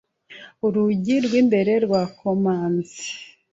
Urugi rw'imbere rwakomanze.